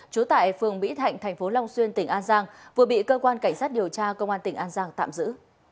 trú tại phường mỹ thạnh thành phố long xuyên tỉnh an giang vừa bị cơ quan cảnh sát điều tra công an tỉnh an giang tạm giữ